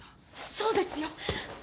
そうですよ。